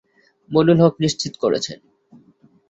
মঈনুল হক নিশ্চিত করেছেন।